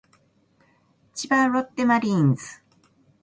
千葉ロッテマリーンズ